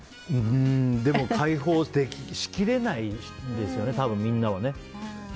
解放しきれないですよね多分みんなはね。